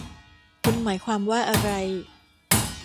คุณหมายความว่าอะไร